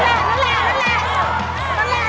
เออมาแล้วมาแล้ว